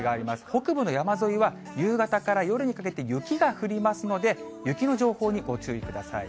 北部の山沿いは、夕方から夜にかけて、雪が降りますので、雪の情報にご注意ください。